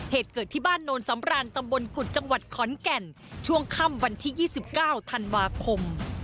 เหตุเกิดที่บ้านโนนสำรานตำบลกุฎจังหวัดขอนแก่นช่วงค่ำวันที่๒๙ธันวาคม